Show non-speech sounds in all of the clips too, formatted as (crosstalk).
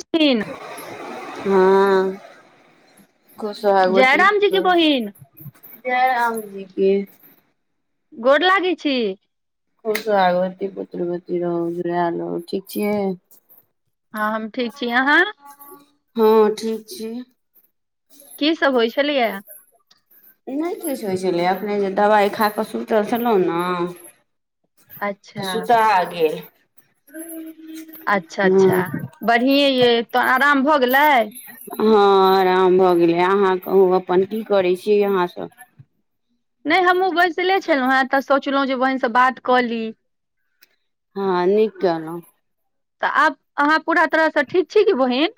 चीन हँ स्वागवती जयराम जी के रहु बहिन जय राम जी की गोड लागि छी खूब सुहागवती पुत्रवती रहलो ठीक छियै हँ हम ठीक छी आहा हँ ठीक छी कीसभ होइ छलियै किछ नई होइ छलै अखने जे दवाइ खा कऽ सुतल खेलऊ ने त अच्छा सुता गेल अच्छा अच्छा हँ बढ़िए यइ तो आराम भऽ गेलै हँ आराम भऽ गेलै अहाँ कहू अपन की करै छी अहाँ सब नहि हमहूँ बैसले छलहुँ हेँ तऽ सोचलहुँ जे बहिन से बात कऽ ली हँ निक केलो तऽ आब अहाँ पूरा तरहसँ ठीक छी कि बहिन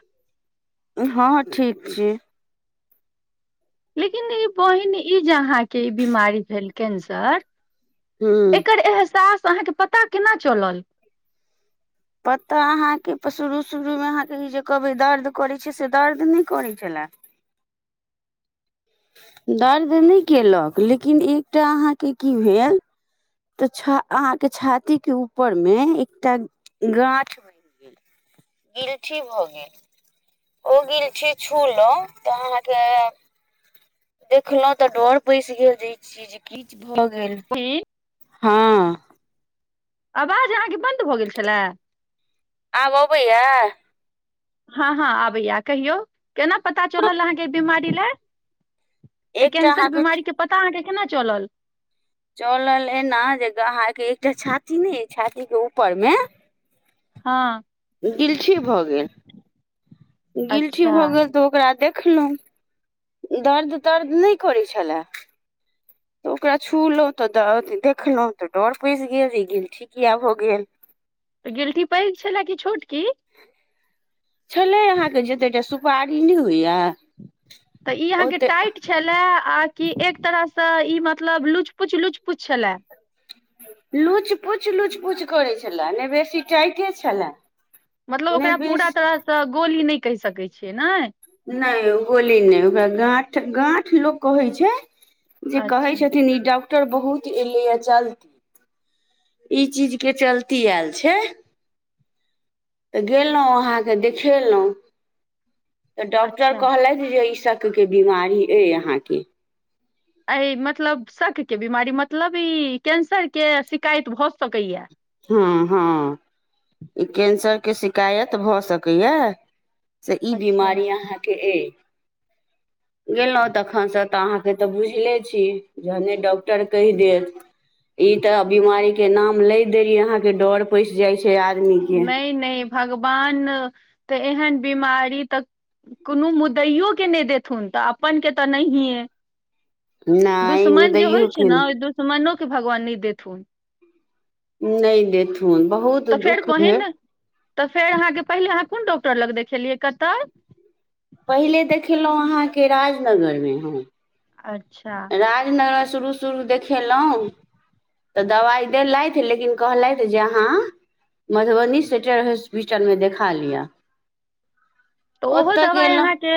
हँ ठीक छी लेकिन ई बहिन ई जे अहाँके ई बिीमारी भेल कैंसर हूँ एकर एहसास अहाँके पता केना चलल पता अहाँके शुरू शुरूमे अहाँके ई जे कहबै दर्द करैत छै से दर्द नहि करैत छले आ दर्द नहि केलक लेकिन एकटा अहाँके की भेल तऽ छ अहाँ के छाती के ऊपर मे एकटा गाछ बनि गेल गिलठी भोगेल ओ गीलठी छूल तऽ अहाँके देखलहुँ तऽ डर पैस गेल जे चीज की भ गेल बहिन हँ आबाज आहा के बन्द भऽ गेल छलए आब अबैया हँ हँ आबैया कहियौ केना पता चलल अहाँके ई बिमारी लए तऽ एकटा कैंसर अहाँके बीमारीके पता अहाँके केना चलल चलल एना जे अहाँके एकटा छाती नै अइ छाती के ऊपर मे हँ गिलठी भऽ गेल गिलठी अच्छा भऽ गेल तऽ ओकरा देख खलहुँ दर्द तर्द नहि करै छलए तऽ ओकरा छुलहुँ तऽ अथि देखलहुँ तऽ डर पैसि गेल इ गिलठी किया भऽ गेल गिलटी पैघ छलए कि छोटकी छलै अहाँके जते टा सुपारी नहि होइया तऽ ई अहाँके ओते टाइट छलए आ कि एक तरहसँ ई मतलब लुच पुच लुच पुच छलै लुच पुच लुच पुच करै छलए नै बेसी टाइटे छलए मतलब नहि ओकरा पूरा बेसी तरहसँ गोली नहि कहि सकैत छियै नै नहि गोली नहि ओकरा गांठ गांठ लोक कहै छै जे कहै अच्छा छथिन ई डॉक्टर बहुत एयलैए जलदी ई चीजके चलती आयल छै तऽ गेलहुँ अहाँके देखेलहुँ तऽ डॉक्टर अच्छा कहलथि जे शक के बीमारी अइ अहाँके एहि मतलब शकके बिमारी मतलब ई कैंसरके शिकायत भऽ सकैए हँ हँ ई कैन्सरके शिकायत भऽ सकैए से ई अच्छा बीमारी अहाँके अइ गेलहुँ तखनसँ तऽ अहाँके तऽ बुझले छी जहने डॉक्टर कहि देत ई तऽ बिमारी के नाम लैत देरी अहाँ के डर पैसि जाय छै आदमीके नहि नहि भगवान तऽ एहन बीमारी तऽ कोनो मुदैयओके नहि देथुन तऽ अपन के तऽ नहिए नहि ओ दुश्मन जे होइ दैयो छै के न ओहि नहि दुश्मनोके भगवान नहि देथुन नहि देथुन बहुत तऽ फेर दुःख भेल पहिने तऽ फेर अहाँके पहिले अहाँ कोन डॉक्टर लग देखेलियै कतय पहिले देखेलहुँ अहाँके राजनगरमे हम अच्छा राजनगर शुरू शुरू देखेलहुँ तऽ दबाइ देलथि लेकिन कहलथि जे अहाँ मधुबनी सेटर हॉस्पिटल मे देखा लिया तऽ ओहो दवाइ अहाँके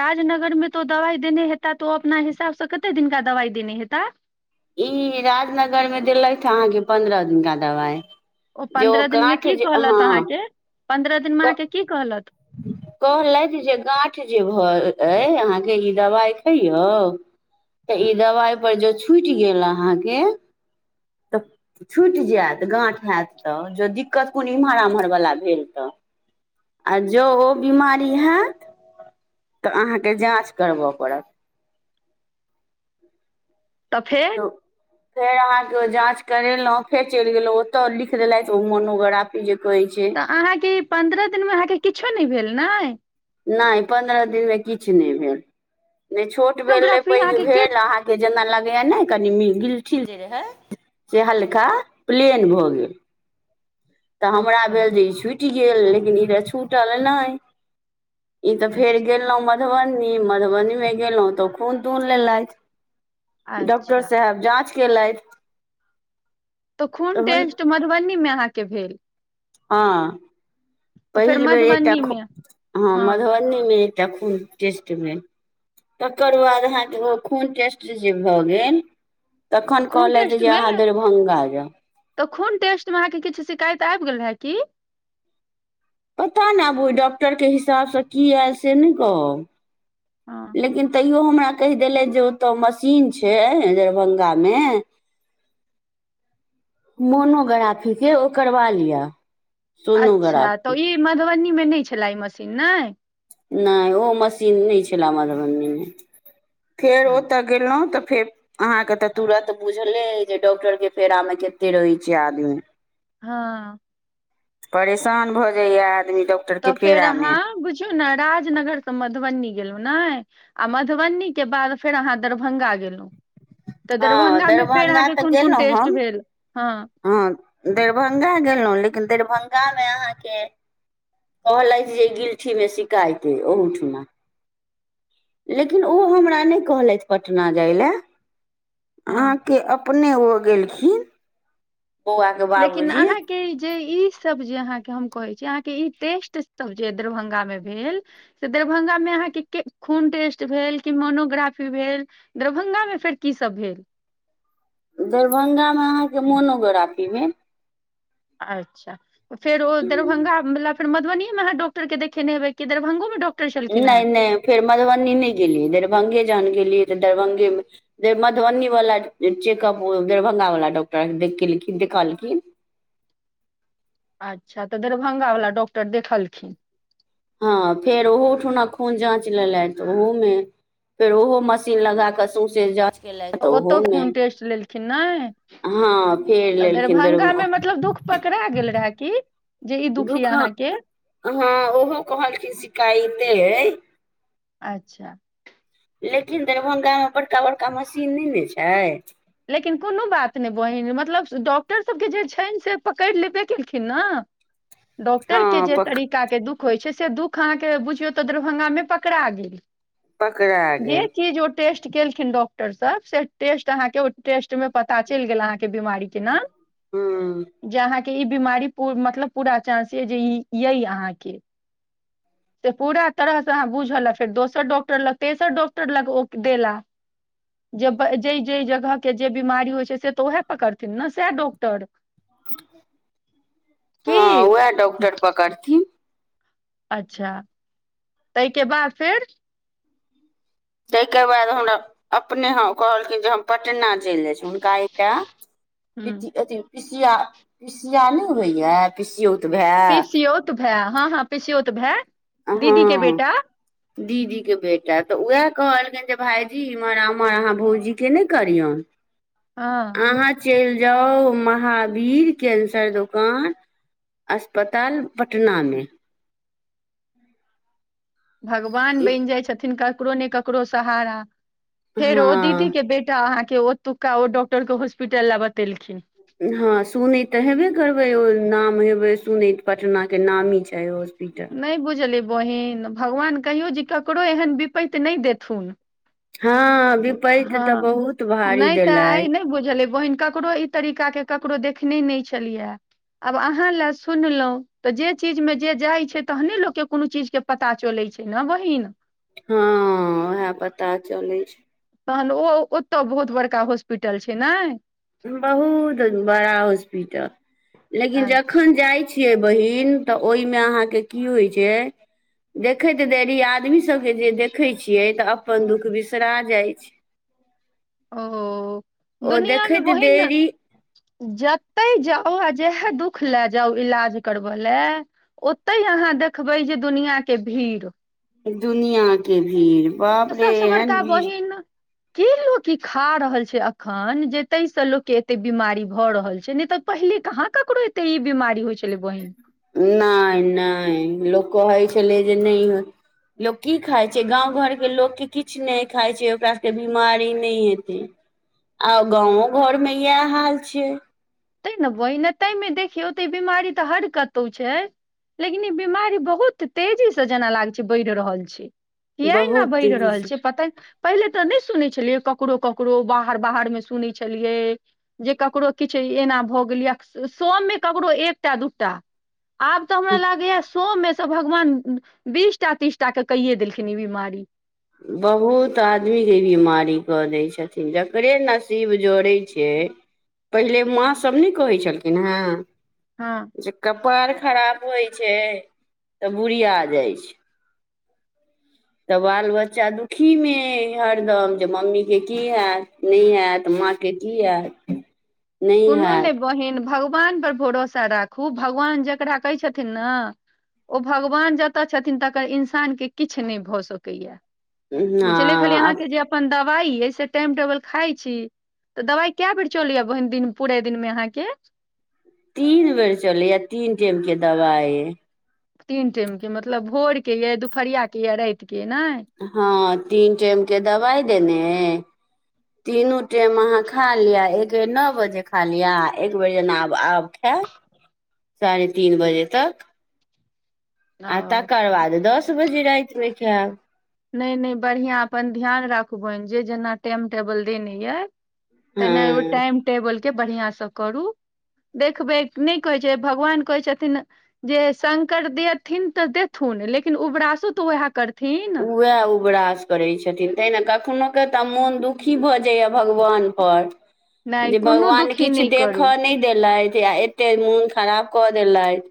राजनगर मे तो ओ दवाइ देने हेता तऽ ओ अपना हिसाबसँ कते दिनका दवाई देने हेता ई राजनगर मे देलथि अहाँके पन्द्रह दिनका दबाइ जे ओ पन्द्रह दिन मे गाँठ की जे हँ कहलत अहाँके पन्द्रह दिन मे क अहाँके की कहलत कहलथि जे गाठ जे भ अइ अहाँके ई दबाइ खइयौ तऽ ई दबाइपर ज छूटि गेल अहाँके तऽ छुटि जायत गांठ होयत तऽ जँ दिक्कत कोनो इम्हर उम्हर वला भेल तऽ आ जँ ओ बिमारी हैत तऽ अहाँके जाँच करबय पड़त तऽ फेर फेर अहाँके जाँच करेलहुं फेर चलि गेलहुँ ओतय लिख देलथि ओ मोनोग्राफी जे कहै छै तऽ अहाँके पन्द्रह दिनमे अहाँके किछो नहि भेल ने नहि पन्द्रह दिन मे किछु नहि भेल नहि छोट भेल ने सोनोग्राफी पैघ अहाँके के भेल अहा के जेना लगेया ने कनि मि गीलठील जे रहे से हल्का प्लेन भऽ गेल तऽ हमरा अच्छा भेल जे ई छुटि गेल लेकिन ई त छूटल नहि ई तऽ फेर अच्छा गेलहुँं मधुबनी मधुबनी मे गेल तऽ खून तून लेलथि डॉक्टर अच्छा साहब जाँच केेलाथ तऽ खून टेस्ट मधुबनीमे अहाँके भेल हँ तऽ फेर पहिल बेर एकटा मधुबनी खुन मे हँ मधुबनीमे एक ता खून टेस्ट भेल तकर बाद अहाँके ओ खून टेस्ट जे भऽ गेल तऽ तखन खून कहलथि टेस्ट जे अहाँ दरभंगा जाउ खुन टेस्ट में अहा के किछू सिकायत आइब गेल रहैकी पता नहि आब ओहि डॉक्टरके हिसाबसँ की आयल से नहि कहब हँ, लेकिन तऽ ओहो हमरा कहि देलथ जो ओतअ मशीन छै न दरभंगा मे मोनोग्राफीके ओ करबा लिअ अच्छा सोनोग्राफी तऽ ई मधुबनीमे नहि छला ई मशीन नहि नहि ओ मशीन नहि छलए मधुबनीमे फेर हँ ओतय गेलहुँ तऽ फेर अहाँके तऽ तुरत बुझले जे डॉक्टरके फेरामे कते रहैत छै आदमी हँ परेशान भऽ जाइय तऽ फेर अहाँ बुझौ ने राजनगर त मधुबनी गेलहुँ नहि आ मधुबनीके बाद फेर अहाँ दरभंगा गेलहुँ तऽ हँ दरभंगामे फेर दरभंगा अहाँके तऽ कोन कोन गेलहुँ टेस्ट हम भेल हँ दरभंगा गेलहुँ लेकिन दरभंगामे अहाँके कहलथि जे गिल्ठीमे शिकायतइ ओहूठुमा लेकिन ओ हमरा नहि कहलथि पटना जाय लए हँ अहाँके अपने ओ गेलखिन बौआ के बाबूजी इ सब जे अहाँ के कहय छी अहाँ के इ टेस्ट जे अहाँ के दरभंगा में भेल से दरभंगा दरभंगा मे अहाँ के खून टेस्ट भेल कि मोनोग्राफी भेल दरभंगा मे फेर की सब भेल दरभंगामे अहाँके मोनोगराफी भेल अच्छा फेर ओ दरभंगा मतलब फिर मधबनीमे अहाँ डाक्टर के देखेने हेवय कि दरभंगोमे डॉक्टर छलखिन नहि हेँ नहि फेर मधुबनी नहि गेलियै दरभंगा जान गेलियै दरभंगे मे जे मधुबनी वाला जे चेकअप उ दरभंगा वला डॉक्टर देख लेलखिन्ह कहल खिन अच्छा तऽ दरभंगा वला डॉक्टर देखलखिन हँ फेर ओहो उठूना खून जांच लेल त ओहो मे फेर ओहो मशीन लगाक सौंसे तऽ ओतौ खून टेस्ट लेलखिन नहि हँ फेर तऽ लेलखिन दरभंगा दरभंगामे मतलब दुःख पकड़ा गेल रहै की दुख हँ ओहो कहलखिन शिकायते अच्छा लेकिन दरभंगा मे बड़का बड़का मशीन नहि ने छै लेकिन कोनो बात नहि बहीन मतलब डॉक्टर सभके जे छनि से पकड़ि लेबे केलखिन ने डॉक्टर के हँ जे पक तरीका के दुःख दुख होइ छै से दुःख अहाँके बुझियौ तऽ दरभंगामे पकड़ा गेल पकड़ा ह जे गेल चीज ओ टेस्ट केलखिन डॉक्टर स टेस्ट अहाँ के टेस्ट मे पता चलि गेल अहाँक बीमारी के नाम हूँ जहाँके ई बीमारी मतलब पूरा चानंस य जे य अहाँके ह से पूरा तरहसे अहाँ बुझल फेर दोसर डॉक्टर लग तेसर डॉक्टर लग ओ देला जे जाहि जाहि जगहके जे बिमारी होइ छै से तऽ उएह पकड़थिन ने सएह डॉक्टर हाँ की उएह डॉक्टर पकड़थिन अच्छा तहिके बाद फेर तहि के बाद हमरा अपने ह कहलखिन जे हम पटना चलि जाय छी हुनका एक ह टा पीसिया पीसिया नहि होइ या पीसियो पीसियोत भाए हाँ हाँ पसियोत भाए दीदी के बेटा दीदीके बेटा तऽ उएह कहलखनि जे भाईजी इम्हर अमर अहाँ भौजीके नहि करियौन हाँ अहाँ चलि जाउ महावीर कैंसर दोकान अस्पताल पटनामे भगवान बनि जाइ छथिन ककरो ने ककरो सहारा फेर ओ दीदी हँ के बेटा अहाँके ओतुका ओ डॉक्टर के हॉस्पिटल लए बतेलखिन हाँ सुनैत तऽ हेबे करबै ओ नाम हेबै सुनैत पटनाके नामी छै ओ नहि बुझली बहिन भगवान कहियौ जे ककरो एहन विप्त नहि देथुन हँ विपैत तऽ हाँ बहुत भारी नहि तऽ आइ नहि देलथि बुझलै बहिन ककरो ई तरीका के ककरो देख देखने नहि छलियै आब अहाँ ल सुनलहुं तऽ जे चीज मे जे जाइ छै तहने लोकके कोनो चीज के पता चलैत छी ना बहिन हाँ उएह पता चलै छै तहन ओ ओतय बहुत बड़का हॉस्पिटल छै ने बहुत बड़ा हॉस्पिटल लेकिन अच्छा जखन जाइत छी छियै बहिन तऽ ओहिमे अहाँके की होइ छै देखैत देरी आदमी सबके जे देखै छियै तऽ अपन दुःख बिसरा जाइत छै (inaudible) ओहो दुनिया होइत देरी जतहि जाउ आ जएह दुःख लए जाउ इलाज करबय लए ओतहि अहाँ देखबै जे दुनिआके भीड़ दुनिया के भीड़ बाप आ रे सबसँ एहन भीड़ की खा रहल छै अखन जे ताहि से लोक के एते बीमारी भऽ रहल छै ने तऽ पहिले कहाँ ककरो त ई बीमारी होइ छै नहि नहि लोक कहइ छलै जे नहि लोक की खाई छै गाँव घरके लोकके किछु नहि खाई छै ओकरा सबके बिमारी नहि हेतै आ गाँवों घरमे इएह हाल छियै तै ने ओहिना ताहिमे देखियौ तऽ ई बीमारी तऽ हर कतहु छै लेकिन ई बिमारी बहुत तेजीसे जेना लाग छै बढ़ि रहल छै य ने बहुत बढ़ि रहल छै पता पहिले तऽ नहि सुनै छलियै ककरो ककरो बाहर बाहर मे सुनै छलियै जे ककरो किछु एना भ गेलै स मे ककरो एक टा दूटा आब तऽ हमरा लागैये सौ से भगवान बीस टा तीसटा के कहिये देलखिन ई बीमारी बहुत आदमी के ई बीमारी कऽ दै छथिन जकरे नसीब जोड़े छै पहिले माँ सब नहि कहै छलखिन हे हाँ पार खराब होइ छै तऽ बुुरिया जाइ छै तऽ बाल बच्चा दुखीमे हरदम जे मम्मीे की हएत नहि हेएत माँ के की हैत कोनो नहि बहीन भग भगवान पर भरोसा राखू भगवान जकरा कहै छथिन न ओ भगवान जतय छथिन तकर इन्सानके किछु नहि भऽ सकैए हँ बुझलियै खाली आब अहाँके जे अपन द वाइ यै से टाइम टेवल खाइ छी दवाइ कए बेर चलया बहीन दिन पूरे दिनमे अहाँके तीन बेर चलैया तीन टाइम के दबाइ तीन टाइम के मतलब भोर के यऽ दुपहरिया के यऽ राातिके हँ तीन टाइम के दवाइ देने यै तीनू टाइम अहाँ खा लिअ एक बेर नओ बजे खा लिअ एकबर जेना आब आब खायब साढ़े तीन बजे तक आ ओ तकर बाद दस बजे रातिमे खाएब नहि नहि बढ़िआँ अपन ध्यान राखबनि जे जेना टाइम टेबल देने यइ तऽने ओ हँ टाइम टेबलके बढ़िआँसँ करू देखबै न कहैत छै भगवान कहै छथिन जे शंकर देथिन तऽ देथु लेकिन उबरासो तऽ वएह करथिन उगरास करै छथिन तै ने कखननोे तऽ मोन दुखी भऽ जाइए भगवानपर नहि जे कोनो भगवान दुखी किछु नहि करू देखऽ नहि देलथि से एते मोन खराब कऽ देलैथ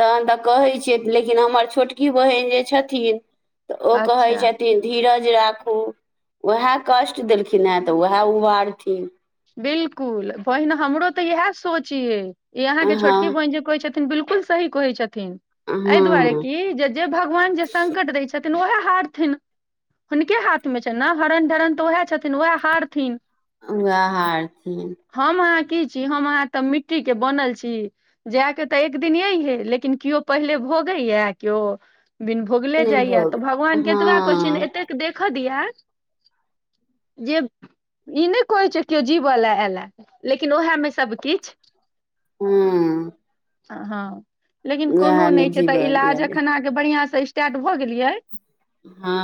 तखन तऽ कहै छियै लेकिन हमर छोटकी बहीन जे छथिन तऽ ओ कहै अच्छा छथिन धीरज राखू उएह कष्ट देलखिन हेँ तऽ उएह उभारथिन बिलकुल बहिन हमरो ते इएह सोच यै इ अहाँ हँ के छोटकी हँ बहिन जे कहे छथि बिलकुल सही कहै छथिन एहि दुआरे की जे जे भगवान जे संकट दै छथिन ओहे हारथिन हुनके हाथमे छ ने हरण ढरन तऽ उएह छथिन उएह हरथिन उएह हारथिन की छी हम अहाँ त मिट्टी के बनल छी जाय के त' एक दिन यैहे लेकिन कियो पहिले भ भोगैया केओ बिन भोगले नहि जाइया भऽ तऽ गेल भगवान केतबा कह हँ एत देख दीयै जे ई नहि कहै छै केओ जीवऽ लए एला लेकिन ओएहेमे सबकिछु हूं हँ लेकिन कोनो नहि छै तऽ जीवऽ इलाज दिअ एखन अहके बढ़िआँसँ स्टार्ट भऽ गेलियै हँ